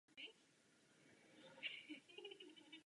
Dosud tomu tak nebylo.